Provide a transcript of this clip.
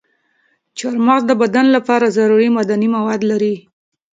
چارمغز د بدن لپاره ضروري معدني مواد لري.